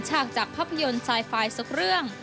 ฉากจากภาพยนตร์ไซไฟล์สักเรื่อง